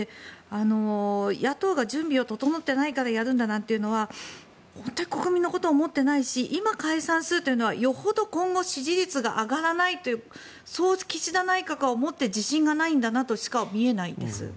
野党が準備が整っていないからやるんだというのは本当に国民のことを思ってないし今、解散するというのはよほど今後支持率が上がらないというそういうふうに岸田内閣が思って、自信がないとしか見えないんです。